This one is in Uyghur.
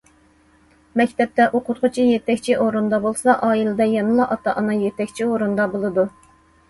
مەكتەپتە ئوقۇتقۇچى يېتەكچى ئورۇندا بولسا، ئائىلىدە يەنىلا ئاتا- ئانا يېتەكچى ئورۇندا بولىدۇ.